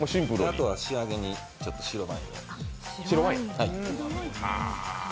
あとは仕上げに白ワイン。